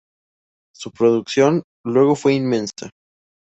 Su producción, luego, fue inmensa.